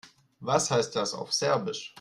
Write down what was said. Was heißt das auf Serbisch?